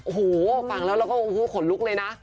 โอ้โหฟังแล้วแล้วก็โอ้โหขนลุกเลยนะ